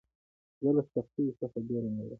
زه له سختیو څخه بېره نه لرم.